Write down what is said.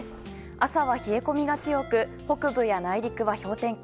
朝は冷え込みが強く北部や内陸は氷点下。